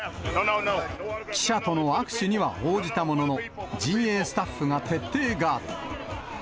記者との握手には応じたものの、陣営スタッフが徹底ガード。